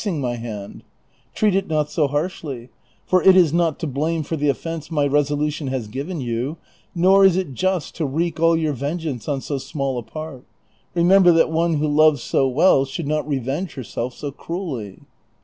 373 iug my hand ; treat it not so harshly, for it is not to l)lanie for the offence my resohition has given you, nor is it just to wreak all your vengeance on so small a part ; remember that one who loves so well should not revenge herself so cruelly."